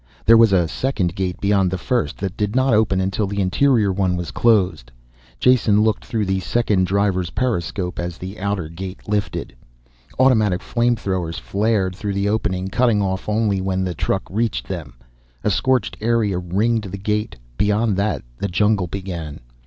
There was a second gate beyond the first, that did not open until the interior one was closed. Jason looked through the second driver's periscope as the outer gate lifted. Automatic flame throwers flared through the opening, cutting off only when the truck reached them. A scorched area ringed the gate, beyond that the jungle began.